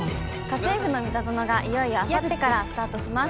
『家政夫のミタゾノ』がいよいよあさってからスタートします。